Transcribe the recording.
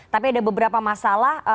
tapi ada beberapa masalah